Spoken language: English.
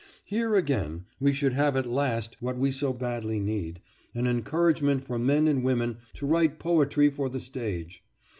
Here, again, we should have at last what we so badly need, an encouragement for men and women to write poetry for the stage.